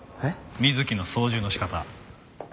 水木の操縦の仕方。